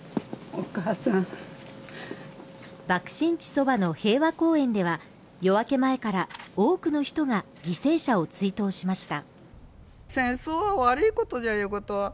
爆心地そばの平和公園では、夜明け前から多くの人が犠牲者を追悼しました。